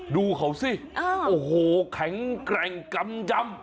ดูเขาสิโอ้โหแข็งแกร่งกำยำ